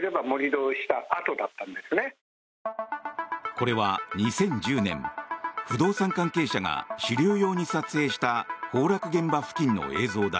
これは、２０１０年不動産関係者が資料用に撮影した崩落現場付近の映像だ。